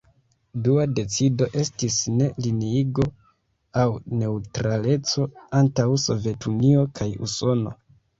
Dua decido estis "Ne-Liniigo" aŭ neŭtraleco antaŭ Sovetunio kaj Usono.